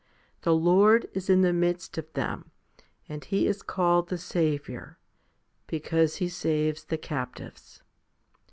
The Lord is in the midst of them, and He is called the Saviour, becauses He saves the captives.